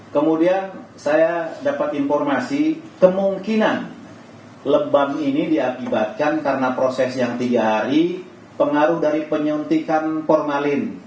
kemudian saya dapat informasi kemungkinan lebam ini diakibatkan karena proses yang tiga hari pengaruh dari penyuntikan formalin